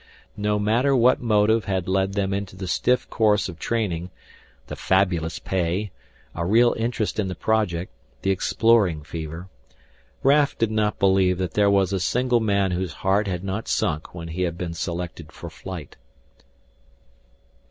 No matter what motive had led them into the stiff course of training the fabulous pay, a real interest in the project, the exploring fever Raf did not believe that there was a single man whose heart had not sunk when he had been selected for flight.